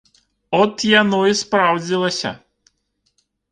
От яно і спраўдзілася.